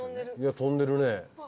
飛んでるね。